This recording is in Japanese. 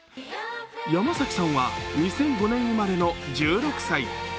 山崎さんは２００５年生まれの１６歳。